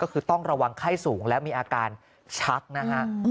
ก็คือต้องระวังไข้สูงและมีอาการชักนะฮะ